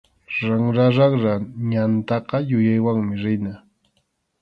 Ranraranra ñantaqa yuyaywanmi rina.